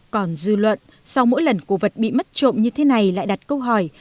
còn dư luận sau mỗi lần cổ vật bị mất trộm như thế này lại đặt câu hỏi